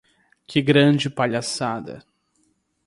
Que grande palhaçada.